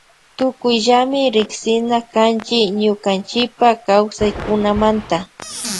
Tukuyllami riksina kanchi ñukanchipa kawsaykunamanta.